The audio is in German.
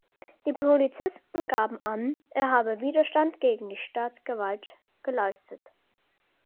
Die Polizisten gaben an, er habe Widerstand gegen die Staatsgewalt geleistet.